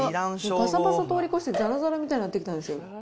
ぱさぱさ通り越してざらざらみたいになってきたんですよ。